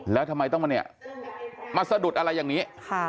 แล้วทำไมต้องมาเนี่ยมาสะดุดอะไรอย่างนี้